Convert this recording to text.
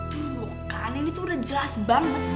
tuh kan ini tuh udah jelas banget